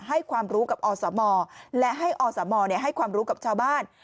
ให้ความรู้กับอสมและให้อสมให้ความรู้กับชาวบ้าน